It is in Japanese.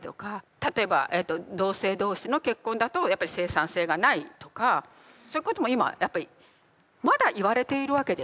例えば同性同士の結婚だとやっぱり生産性がないとかそういうことも今やっぱりまだ言われているわけですよ。